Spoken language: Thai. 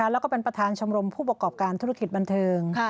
แล้วก็เป็นประธานชมรมผู้ประกอบการธุรกิจบันเทิง